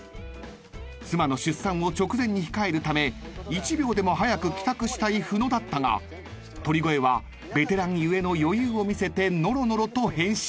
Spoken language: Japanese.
［妻の出産を直前に控えるため１秒でも早く帰宅したい布野だったが鳥越はベテラン故の余裕を見せてのろのろと編集］